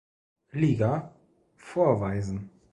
Liga vorweisen.